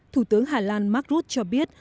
thủ tướng hà lan mark rutte cho biết